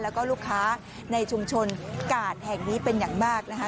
แล้วก็ลูกค้าในชุมชนกาดแห่งนี้เป็นอย่างมากนะคะ